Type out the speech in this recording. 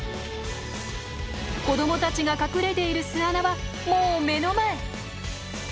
子供たちが隠れている巣穴はもう目の前。